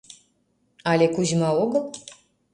Але Кузьма огыл...